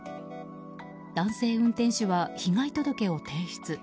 男性運転手は被害届を提出。